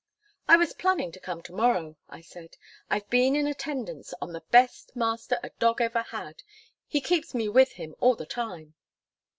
"I was planning to come to morrow," I said. "I've been in attendance on the best master a dog ever had. He keeps me with him all the time."